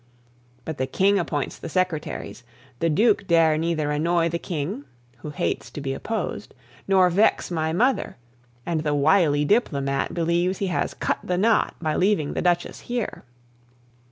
But the King appoints the secretaries; the Duke dare neither annoy the King, who hates to be opposed, nor vex my mother; and the wily diplomat believes he has cut the knot by leaving the Duchess here.